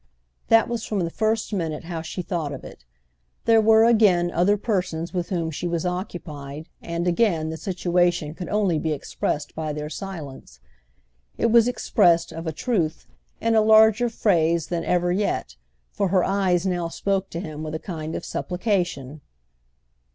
That was from the first minute how she thought of it. There were again other persons with whom she was occupied, and again the situation could only be expressed by their silence. It was expressed, of a truth, in a larger phrase than ever yet, for her eyes now spoke to him with a kind of supplication.